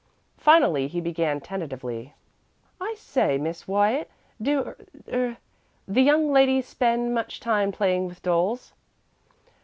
Finally he began tentatively: "I say, Miss Wyatt, do er the young ladies spend much time playing with dolls?"